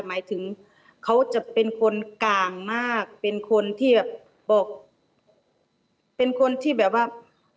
หมายถึงเขาจะเป็นคนกลางมากเป็นคนที่แบบบอกเป็นคนที่แบบว่า